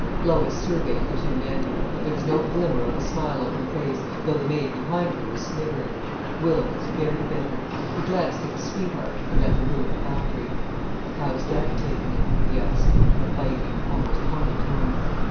Lois surveyed the two men. There was no glimmer of a smile on her face, though the maid behind her was sniggering. Will was very bitter. He glanced at his sweetheart and at the ruined factory. "How's dad taken it?" he asked, in a biting, almost humble tone.